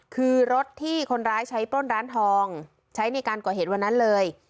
คือรถที่คนร้ายใช้ปล้นร้านทองใช้ในการก่อเหตุวันนั้นเลย